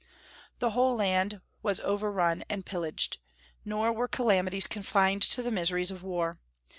The whole land was overrun and pillaged. Nor were calamities confined to the miseries of war.